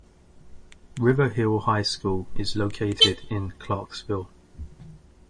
River Hill High School is located in Clarksville.